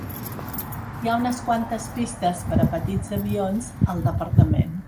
Hi ha unes quantes pistes per a petits avions al departament.